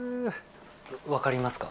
分かりますか？